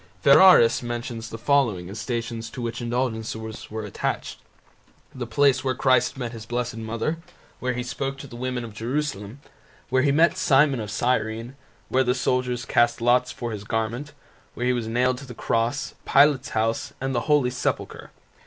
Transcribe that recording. Ferraris mentions the following as Stations to which indulgences were attached: the place where Christ met His Blessed Mother, where He spoke to the women of Jerusalem, where He met Simon of Cyrene, where the soldiers cast lots for His garment, where He was nailed to the cross, Pilate's house, and the Holy Sepulchre.